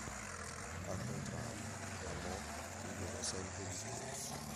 Al contrario, la Mo migliorò sempre di più.